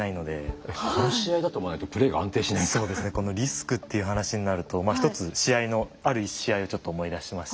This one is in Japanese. このリスクという話になると一つ試合のある一試合をちょっと思い出しまして。